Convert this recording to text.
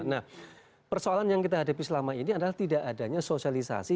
nah persoalan yang kita hadapi selama ini adalah tidak adanya sosialisasi